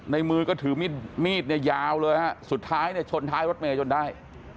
ในมือก็ถือมีดยาวเลยครับสุดท้ายชนท้ายวัดเมย์จนได้